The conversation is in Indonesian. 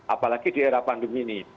apalagi di era pandemi ini